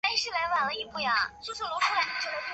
叉苔蛛为皿蛛科苔蛛属的动物。